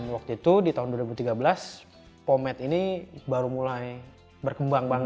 waktu itu di tahun dua ribu tiga belas pomed ini baru mulai berkembang banget